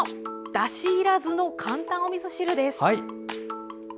だしいらずの簡単おみそ汁です。